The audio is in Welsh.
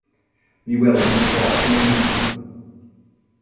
Mi welon nhw sloth yn y jyngl.